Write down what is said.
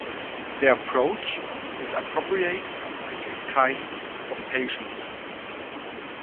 Their approach is not appropriate for those kinds of patients.